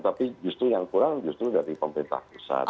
tapi justru yang kurang justru dari pemerintah pusat